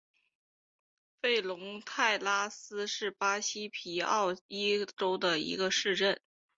弗龙泰拉斯是巴西皮奥伊州的一个市镇。